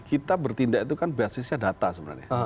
kita bertindak itu kan basisnya data sebenarnya